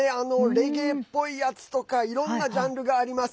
レゲエっぽいやつとかいろんなジャンルがあります。